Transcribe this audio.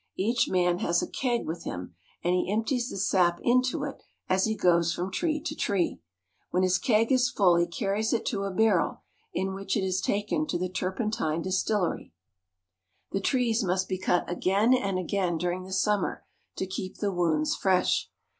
Each man has a keg with him, and he empties the sap into it as he goes from tree to tree. When his keg is full he carries it to a barrel, in which it is taken to the turpentine distillery. Scarring the Trees. 128 THE SOUTH. The trees must be cut again and again during the sum mer to keep the wounds fresh.